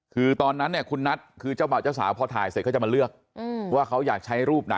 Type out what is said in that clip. คือตอนนั้นเนี่ยคุณนัทคือเจ้าเบาเจ้าสาวพอถ่ายเสร็จ